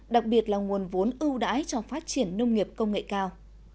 đặc biệt là nguồn vốn ưu đãi cho phát triển nông nghiệp công nghệ cao